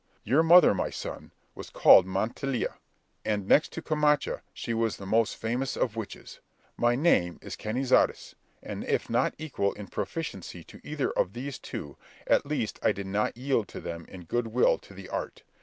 Your mother, my son, was called Montiela, and next to Camacha, she was the most famous of witches. My name is Cañizares; and, if not equal in proficiency to either of these two, at least I do not yield to them in good will to the art.